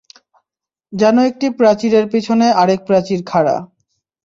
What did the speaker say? যেন একটি প্রাচীরের পিছনে আরেক প্রাচীর খাঁড়া।